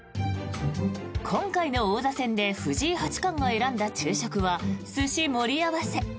今回の王座戦で藤井八冠が選んだ昼食は寿司盛り合わせ。